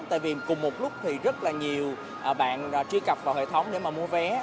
tại vì cùng một lúc thì rất là nhiều bạn trí cập vào hệ thống để mà mua vé